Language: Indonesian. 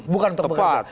bukan untuk berdebat